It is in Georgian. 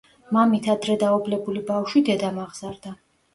მამით ადრე დაობლებული ბავშვი დედამ აღზარდა.